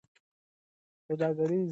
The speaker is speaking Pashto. سوداګر باید پانګونه وکړي.